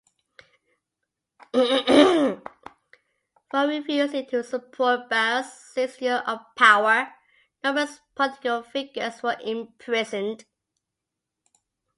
For refusing to support Barre's seizure of power, numerous political figures were imprisoned.